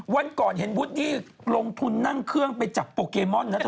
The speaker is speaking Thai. วันก่อนเห็นวูดดี้ลงทุนนั่งเครื่องไปจับโปเกมอนนะเธอ